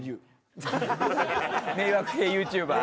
迷惑系ＹｏｕＴｕｂｅｒ？